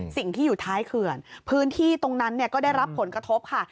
สิ่งที่อยู่ท้ายเขื่อนพื้นที่ตรงนั้นก็ได้รับผลกระทบค่ะ